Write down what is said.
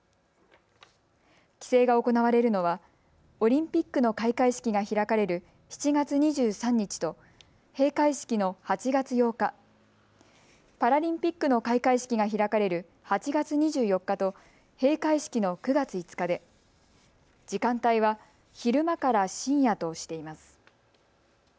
規制が行われるのはオリンピックの開会式が開かれる７月２３日と閉会式の８月８日、パラリンピックの開会式が開かれる８月２４日と閉会式の９月５日で時間帯は昼間から深夜としています。